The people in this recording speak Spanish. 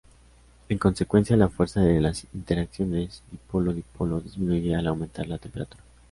En consecuencia, la fuerza de las interacciones dipolo-dipolo disminuye al aumentar la temperatura.